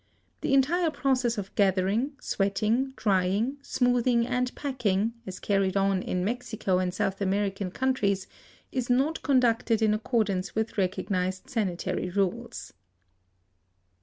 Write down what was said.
The entire process of gathering, sweating, drying, smoothing and packing, as carried on in Mexico and South American countries is not conducted in accordance with recognized sanitary rules.